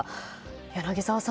柳澤さん